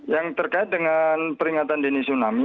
yang terkait dengan peringatan dini tsunami